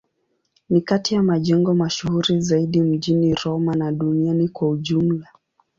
Ni kati ya majengo mashuhuri zaidi mjini Roma na duniani kwa ujumla.